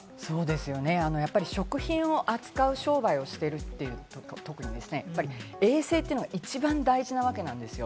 やっぱり食品を扱う商売をしてるということで、衛生というのが一番大事なわけなんですよ。